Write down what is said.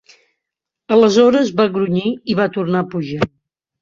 Aleshores, va grunyir i va tornar a pujar.